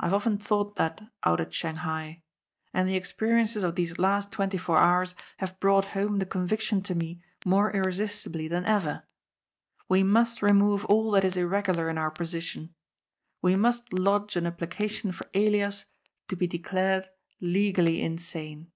I have often thought that out at Shanghai. And the experiences of these last twenty four hours have brought home the con viction to me more irresistibly than ever. We must remove all that is irregular in our position. We must lodge an ap plication for Elias to be declared legally insane."